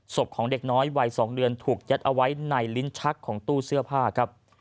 ศพของเด็กน้อยวัย๒เดือนถูกยัดเอาไว้ในลิ้นชักของตู้เสื้อผ้าครับ